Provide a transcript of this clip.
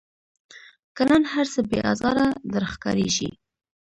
که نن هرڅه بې آزاره در ښکاریږي